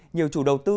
nhiều chủ đầu tư